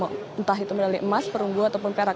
entah itu medali emas perunggu ataupun perak